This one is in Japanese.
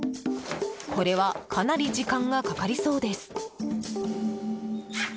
これは、かなり時間がかかりそうです。